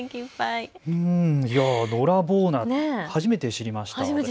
のらぼう菜、初めて知りました。